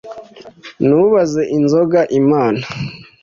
ntubaze inzoga imana